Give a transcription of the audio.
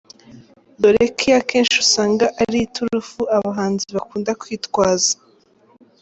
dore ko iyi akenshi usanga ari iturufu abahanzi bakunda kwitwaza.